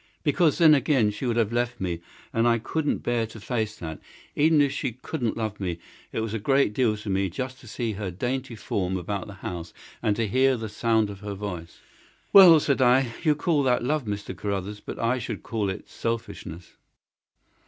"Because then, again, she would have left me, and I couldn't bear to face that. Even if she couldn't love me it was a great deal to me just to see her dainty form about the house, and to hear the sound of her voice." "Well," said I, "you call that love, Mr. Carruthers, but I should call it selfishness."